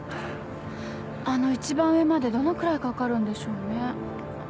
あの一番上までどのくらいかかるんでしょうね？